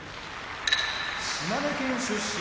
島根県出身